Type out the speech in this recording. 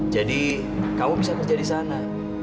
jadi kamu bisa kerja di sana